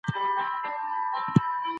کیسې د وېرو ډکې دي.